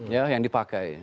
ya yang dipakai